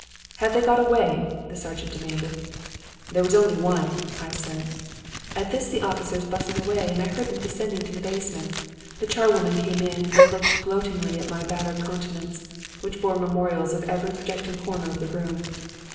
"'Have they got away?' the sergeant demanded. "'There was only one,' I said. "At this the officers bustled away and I heard them descending to the basement. The charwoman came in and looked gloatingly at my battered countenance, which bore memorials of every projecting corner of the room.